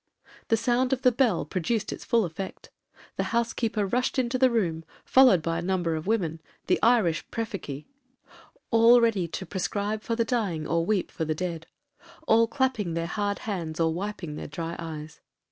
The sound of the bell produced its full effect. The housekeeper rushed into the room, followed by a number of women, (the Irish præficæ); all ready to prescribe for the dying or weep for the dead,—all clapping their hard hands, or wiping their dry eyes.